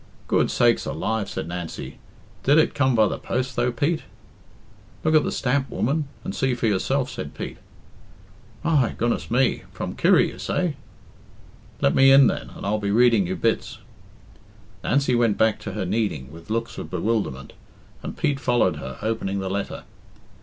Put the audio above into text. "Good sakes alive!" said Nancy. "Did it come by the post, though, Pete?" "Look at the stamp, woman, and see for yourself," said Pete. "My goodness me! From Kirry, you say?" "Let me in, then, and I'll be reading you bits." Nancy went back to her kneading with looks of bewilderment, and Pete followed her, opening the letter.